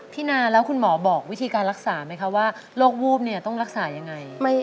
นาแล้วคุณหมอบอกวิธีการรักษาไหมคะว่าโรควูบเนี่ยต้องรักษายังไง